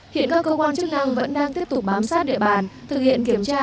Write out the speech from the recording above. hiện các cơ quan chức năng vẫn đang tiếp tục bám sát địa bàn thực hiện kiểm tra